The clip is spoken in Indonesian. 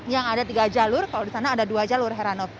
yang ada tiga jalur kalau di sana ada dua jalur heranov